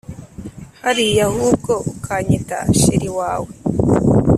hariya ahubwo ukanyita cheri wawe